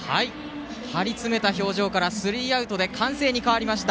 張り詰めた表情からスリーアウトで歓声に変わりました。